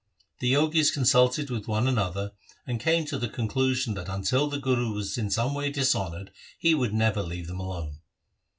The Jogis consulted with one another, and came to the conclusion that until the Guru was in some way dishonoured, he would never leave them alone.